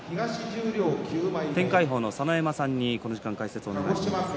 天鎧鵬の佐ノ山さんに解説をお願いしています。